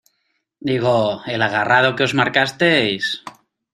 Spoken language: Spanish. digo. el agarrado que os marcasteis ...